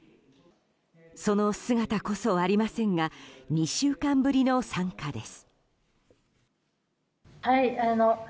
その姿こそありませんが２週間ぶりの参加です。